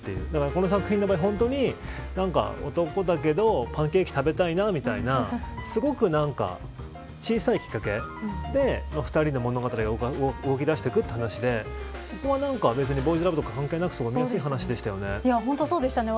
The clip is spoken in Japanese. この作品の場合、本当に男だけどパンケーキ食べたいなみたいなすごく小さいきっかけで２人の物語が動き出していくという話でそこは別に、ボーイズラブとか関係なく、いい話でしたね。